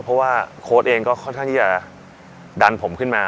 เพราะว่าโค้ดเองก็ค่อนข้างที่จะดันผมขึ้นมา